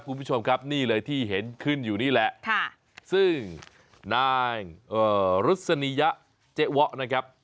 คุณผู้ชมครับนี่เลยที่เห็นขึ้นอยู่นี่แหละค่ะซึ่งนางรุษนิยะเจ๊วะนะครับ